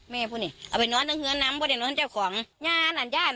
แม่พูดนี่เอาไปนอนเฮือน้ำพวกนี้นอนเจ้าของแม่นานย่าน